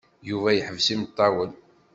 Yuba yeḥbes imeṭṭawen.